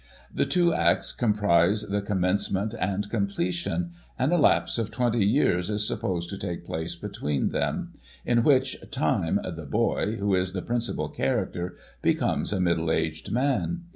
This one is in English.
The two acts comprise the commencement and com pletion, and a lapse of twenty years is supposed to take place between them, in which time 'the boy,' who is the principal character, becomes a middle aged man.